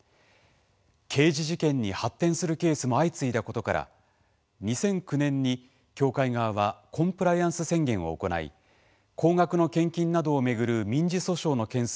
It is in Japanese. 刑事事件に発展するケースも相次いだことから２００９年に教会側はコンプライアンス宣言を行い高額の献金などを巡る民事訴訟の件数は